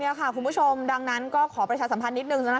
นี่ค่ะคุณผู้ชมดังนั้นก็ขอประชาสัมพันธ์นิดนึง